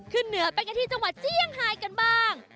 ขึ้นเหนือไปกันที่จังหวัดจี้ยังหายกันบ้าง